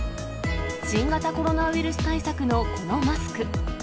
新型コロナウイルス対策のこのマスク。